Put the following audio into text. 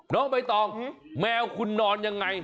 น้องใบตองแมวคุณนอนยังไง